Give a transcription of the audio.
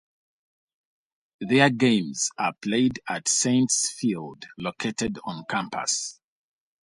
Their Home games are played at the Saints Field located on campus.